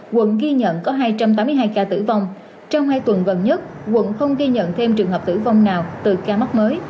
quận ghi nhận có hai trăm tám mươi hai ca tử vong trong hai tuần gần nhất quận không ghi nhận thêm trường hợp tử vong nào từ ca mắc mới